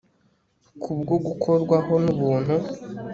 kubwo gukorwaho n'ubuntu